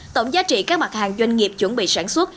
tổng giá trị các mặt hàng doanh nghiệp chuẩn bị sản xuất